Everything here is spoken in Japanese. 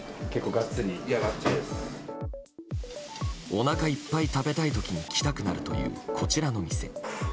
おなかいっぱい食べたい時に来たくなるというこちらの店。